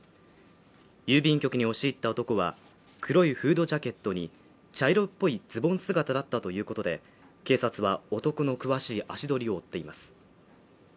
郵便局に押し入った男は黒いフードジャケットに茶色っぽいズボン姿だったということで警察は男の詳しい足取りを追っています